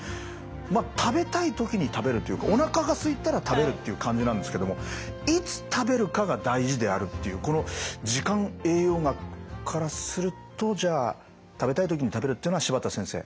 まあ食べたい時に食べるというかおなかがすいたら食べるという感じなんですけども「いつ食べるかが大事である」というこの時間栄養学からするとじゃあ食べたい時に食べるっていうのは柴田先生